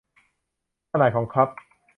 ขนาดของคัพ